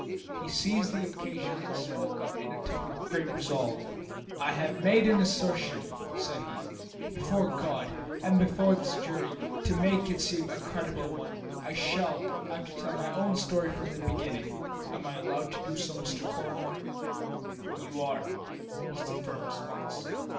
He seized the occasion and spoke up in a tone of great resolve. "I have made an assertion," said he, "before God and before this jury. To make it seem a credible one I shall have to tell my own story from the beginning. Am I allowed to do so, Mr. Coroner?" "You are," was the firm response.